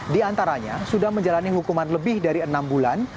diantaranya sudah menjalani hukuman lebih dari enam bulan